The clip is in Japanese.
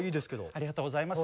ありがとうございます。